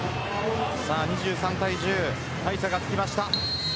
２３対１０大差がつきました。